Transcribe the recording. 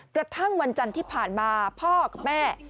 กระทั่งวันจันทร์ที่ผ่านมาพ่อกับแม่